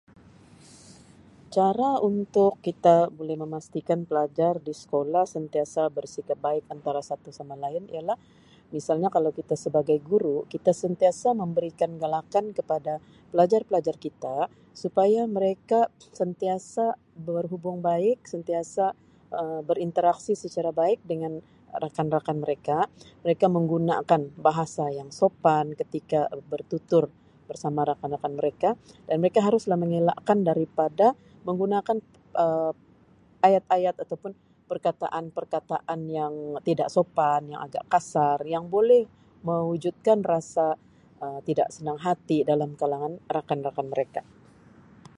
Cara untuk kita boleh memastikan pelajar di sekolah sentiasa bersikap baik antara satu sama lain ialah misalnya kalau kita sebagai guru kita sentiasa memberikan galakan kepada pelajar-pelajar kita supaya mereka sentiasa berhubung baik, sentiasa Um berinteraksi secara baik dengan rakan-rakan mereka mereka menggunakan bahasa yang sopan ketika bertutur bersama rakan-rakan mereka dan mereka haruslah mengelakkan daripada menggunakan Um ayat-ayat ataupun perkataan-perkataan yang tidak sopan yang agak kasar yang boleh mewujudkan rasa Um tidak senang hati dalam kalangan rakan-rakan mereka.